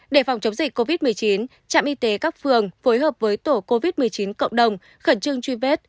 để phòng chống dịch covid một mươi chín trạm y tế các phường phối hợp với tổ covid một mươi chín cộng đồng khẩn trương truy vết